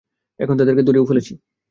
এখন তো তাদেরকে ধরেও ফেলেছি।